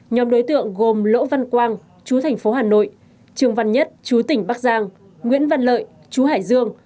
nhóm đối tượng gồm lỗ văn quang chú thành phố hà nội trường văn nhất chú tỉnh bắc giang nguyễn văn lợi chú hải dương